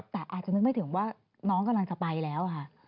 แต่อาจจะคิดว่าน้องกำลังจะไปแล้วค่ะ